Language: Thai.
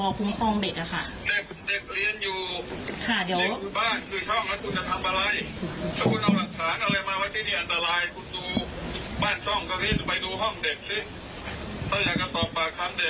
เป็นเรื่องมาเท่าไหร่กระดั้งนั้นนะผมไม่ยอมนะ